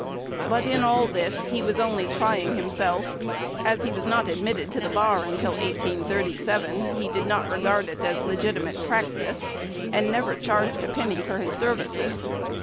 But in all this he was only trying himself: as he was not admitted to the bar until 1837, he did not regard it as legitimate practice, and never charged a penny for his services.